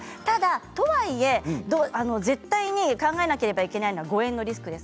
とはいえ絶対に考えなければいけないのは誤えんのリスクです。